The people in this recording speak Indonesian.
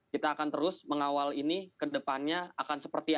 kita akan terus mengawal ini ke depannya akan seperti apa